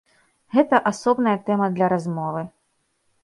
Гэта асобная тэма для размовы.